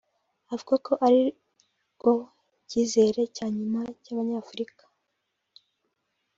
avuga ko ari rwo cyizere cya nyuma cy’Abanyafurika